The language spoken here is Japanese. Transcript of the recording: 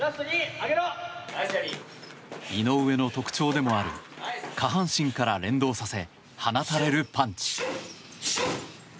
井上の特徴でもある下半身から連動させ放たれるパンチ。